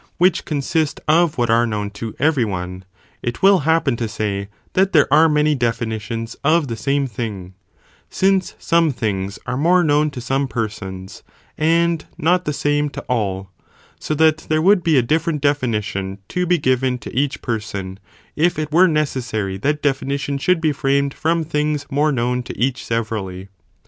477 consist of what are known to every one, it will happen to say that there are many definitions of the same thing, since some things are more known to some persons, and not the same to all, so that there would be a different definition to be given to each person, if it were necessary that definition should be framed from things more known to each severally.